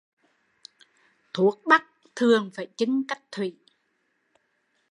Thuốc bắc thường phải chưng cách thủy